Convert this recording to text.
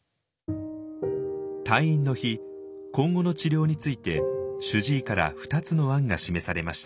退院の日今後の治療について主治医から２つの案が示されました。